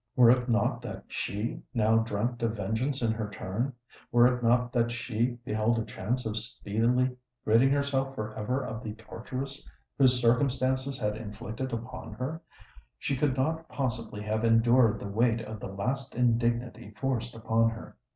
Were it not that she now dreamt of vengeance in her turn,—were it not that she beheld a chance of speedily ridding herself for ever of the torturess whom circumstances had inflicted upon her,—she could not possibly have endured the weight of the last indignity forced upon her.